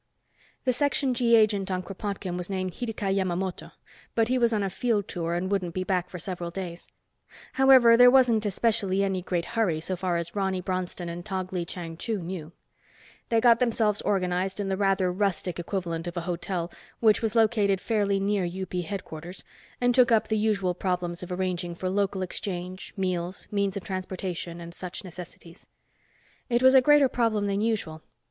The Section G agent on Kropotkin was named Hideka Yamamoto, but he was on a field tour and wouldn't be back for several days. However, there wasn't especially any great hurry so far as Ronny Bronston and Tog Lee Chang Chu knew. They got themselves organized in the rather rustic equivalent of a hotel, which was located fairly near UP headquarters, and took up the usual problems of arranging for local exchange, meals, means of transportation and such necessities. It was a greater problem than usual.